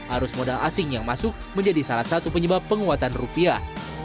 arus modal asing yang masuk menjadi salah satu penyebab penguatan rupiah